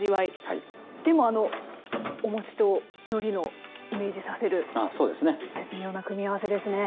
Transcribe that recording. でもあのお餅とのりのイメージさせる絶妙な組み合わせですね。